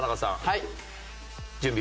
はい。